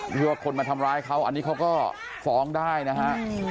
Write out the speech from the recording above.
ที่ว่าคนมาทำร้ายเขาอันนี้เขาก็ฟ้องได้นะฮะ